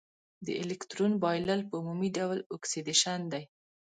د الکترون بایلل په عمومي ډول اکسیدیشن دی.